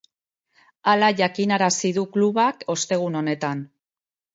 Hala jakinarazi du klubak ostegun honetan.